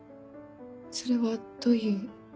それはどういう？